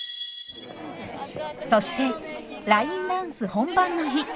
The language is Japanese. そしてラインダンス本番の日。